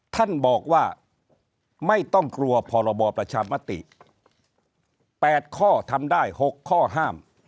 ท่านบอกว่าไม่ต้องกลัวพรบประชามติ๘ข้อทำได้๖ข้อห้าม